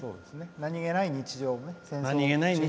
何気ない日常をね。